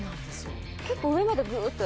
結構上までグって。